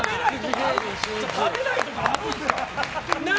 ちょっと食べないとかあるんですか？